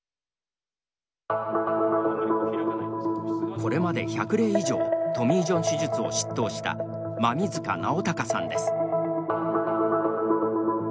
これまで１００例以上トミー・ジョン手術を執刀した馬見塚尚孝さんです。